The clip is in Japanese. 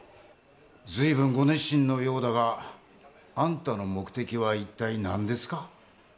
ずいぶんご熱心のようだがあんたの目的はいったい何ですか？